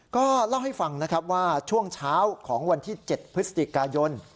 ก็เล่าให้ฟังนะครับว่าช่วงเช้าของวันที่๗พฤศจิกายน